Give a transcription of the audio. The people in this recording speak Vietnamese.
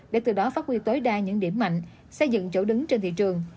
để từ đó phát huy tối đa những điểm mạnh xây dựng chỗ đứng trên thị trường